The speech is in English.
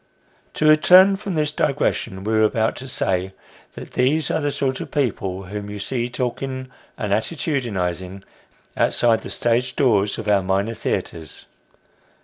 To return from this digression, we were about to say, that these are the sort of people whom you see talking, and attitudinising, outside the stage doors of our minor theatres.